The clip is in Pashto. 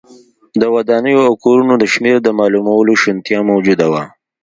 د ودانیو او کورونو شمېر د معلومولو شونتیا موجوده وه.